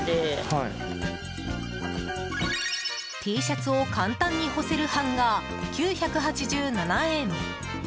Ｔシャツを簡単に干せるハンガー、９８７円。